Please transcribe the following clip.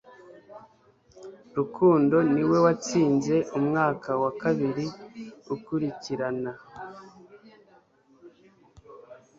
Rukundo niwe watsinze umwaka wa kabiri ukurikirana